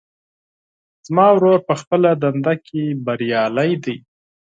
زما ورور په خپله دنده کې بریالی ده